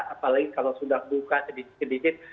apalagi kalau sudah buka sedikit sedikit